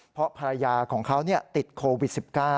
เพราะภรรยาของเขาติดโควิด๑๙